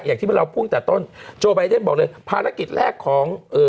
อย่างที่เราพูดตั้งแต่ต้นโจไบเดนบอกเลยภารกิจแรกของเอ่อ